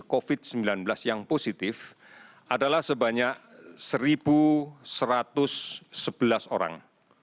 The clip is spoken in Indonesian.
covid sembilan belas yang positif adalah sebanyak satu satu ratus sebelas orang